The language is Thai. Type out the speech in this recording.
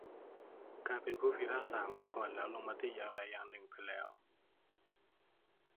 การเป็นผู้พิพากษามาก่อนแล้วลงมติอย่างใดอย่างหนึ่งไปแล้ว